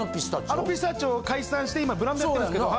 あのピスタチオ解散して今ブランドやってるんですけど。